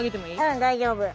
うん大丈夫。